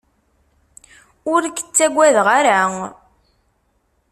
Ur k-ttagadeɣ ara.